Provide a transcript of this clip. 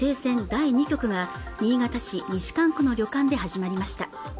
第２局が新潟市西蒲区の旅館で始まりました